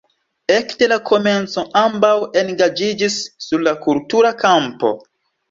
Ekde la komenco ambaŭ engaĝiĝis sur la kultura kampo.